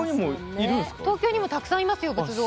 東京にもたくさんいます、仏像。